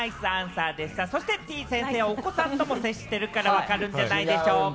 てぃ先生、お子さんとも接してるから分かるんじゃないでしょうか。